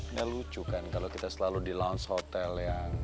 ini lucu kan kalau kita selalu di launch hotel yang